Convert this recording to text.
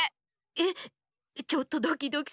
えっちょっとドキドキするう。